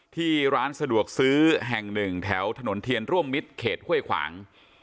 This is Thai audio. ที่ร้านสะดวกซื้อแห่งหนึ่งแถวถนนเทียนร่วมมิตรเขตห้วยขวาง